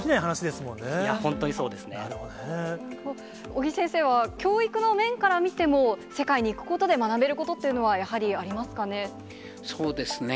尾木先生は、教育の面から見ても、世界に行くことで学べることっていうのは、やはりありますかね。